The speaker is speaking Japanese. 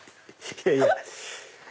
いやいや。